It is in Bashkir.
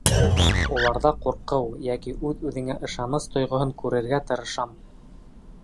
Уларҙа ҡурҡыу йәки үҙ-үҙеңә ышаныс тойғоһон күрергә тырышам.